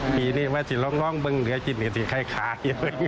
ปีนี้ว่าจะร้องเบิ่งเหลือกินก็จะขาย